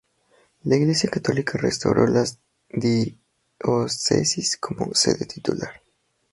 La Iglesia católica restauró la diócesis como sede titular.